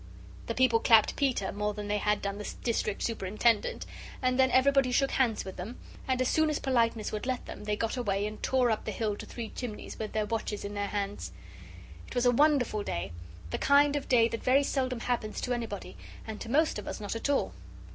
The people clapped Peter more than they had done the District Superintendent, and then everybody shook hands with them, and as soon as politeness would let them, they got away, and tore up the hill to Three Chimneys with their watches in their hands. It was a wonderful day the kind of day that very seldom happens to anybody and to most of us not at all.